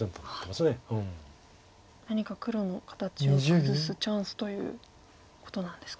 何か黒の形を崩すチャンスということなんですか。